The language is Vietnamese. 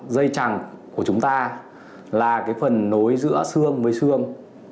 dây trằng của chúng ta là phần nối giữa xương với xương